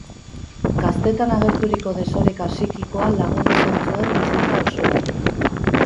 Gaztetan agerturiko desoreka psikikoa lagun izan zuen bizitza osoan.